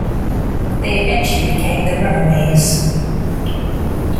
They eventually became the Runaways.